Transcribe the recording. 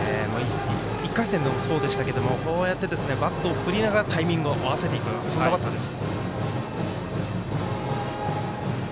１回戦もそうでしたけどこうやって、バットを振りながらタイミングを合わせていくそんなバッターです。